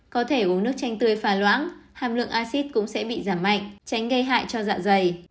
có thể uống nước chanh tươi phà loãng hàm lượng acid cũng sẽ bị giảm mạnh tránh gây hại cho dạ dày